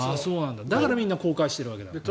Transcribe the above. だからみんな後悔しているわけだ。